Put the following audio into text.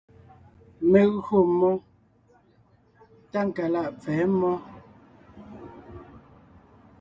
Mé gÿo mmó Tákalaʼ pfɛ̌ mmó.